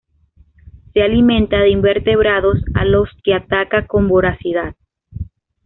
Se alimenta de invertebrados a los que ataca con voracidad.